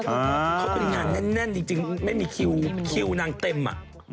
เขาเป็นงานแน่นจริงไม่มีคิวคิวนางเต็มอ่ะ